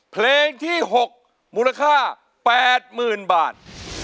เปลี่ยน